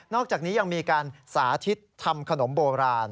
อกจากนี้ยังมีการสาธิตทำขนมโบราณ